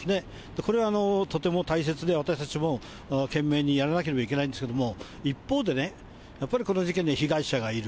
これはとても大切で、私たちも懸命にやらなければいけないんですけれども、一方でね、やっぱりこの事件には被害者がいる。